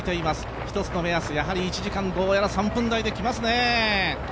１つの目安、やはり１時間どうやら３分台できそうですね。